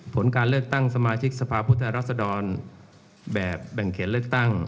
ผลการเลือกตั้งสมาชิกสภาพุทธรรษฎรแบบแบ่งเขียนเลือกตั้ง